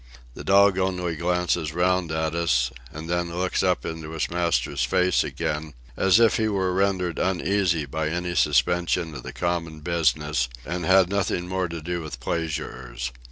The dog only glances round at us, and then looks up into his master's face again, as if he were rendered uneasy by any suspension of the common business, and had nothing more to do with pleasurers.